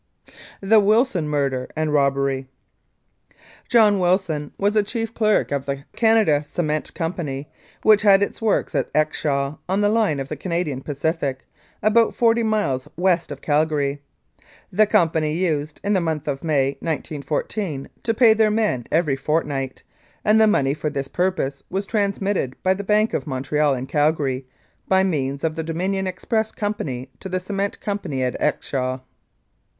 The Wilson Murder and Robbery John Wilson was chief clerk of the Canada Cement Company, which had its works at Exshaw, on the line of the Canadian Pacific, about forty miles west of Cal gary. The Company used, in the month of May, 1914, to pay their men every fortnight, and the money for this purpose was transmitted by the Bank of Montreal in Calgary, by means of the Dominion Express Company, to the Cement Company at Exshaw.